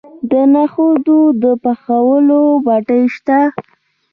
د نخودو د پخولو بټۍ شته.